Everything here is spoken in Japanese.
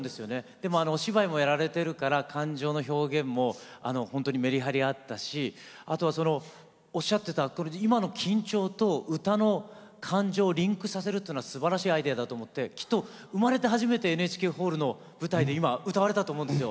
でも、お芝居もやられてるから感情の表現も、本当にメリハリあったしあとは、おっしゃっていた今の緊張と歌の感情をリンクさせるっていうのはすばらしいアイデアだと思ってきっと生まれて初めてＮＨＫホールの舞台で歌われたと思うんですよ。